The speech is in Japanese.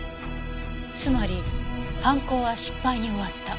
つまり犯行は失敗に終わった。